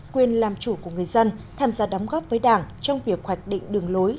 quyền làm chủ của người dân tham gia đóng góp với đảng trong việc hoạch định đường lối